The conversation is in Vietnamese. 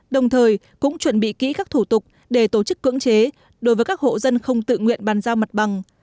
đồng thời cũng chuẩn bị kỹ các thủ tục để tổ chức cưỡng chế đối với các hộ dân không tự nguyện bàn giao mặt bằng